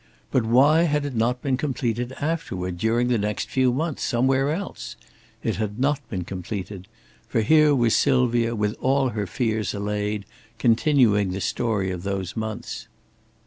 But why had it not been completed afterward, during the next few months, somewhere else? It had not been completed. For here was Sylvia with all her fears allayed, continuing the story of those months.